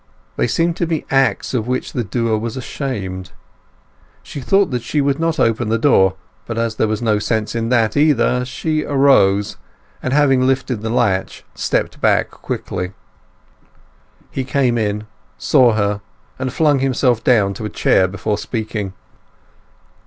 They seemed to be acts of which the doer was ashamed. She thought that she would not open the door; but, as there was no sense in that either, she arose, and having lifted the latch stepped back quickly. He came in, saw her, and flung himself down into a chair before speaking.